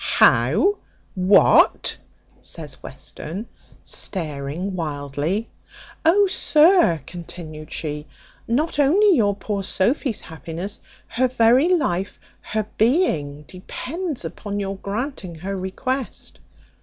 "How! what!" says Western, staring wildly. "Oh! sir," continued she, "not only your poor Sophy's happiness; her very life, her being, depends upon your granting her request.